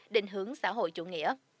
định hướng xã hội chủ nghĩa